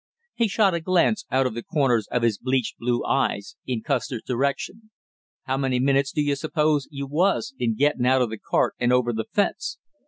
He shot a glance out of the corners of his bleached blue eyes in Custer's direction. "How many minutes do you suppose you was in getting out of the cart and over the fence?